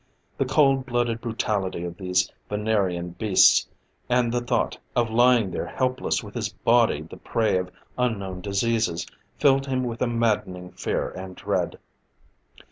The cold blooded brutality of these Venerian beasts, and the thought of lying there helpless with his body the prey of unknown diseases, filled him with a maddening fear and dread.